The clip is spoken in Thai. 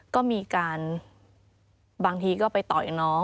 ก็มีการบางทีก็ไปต่อยน้อง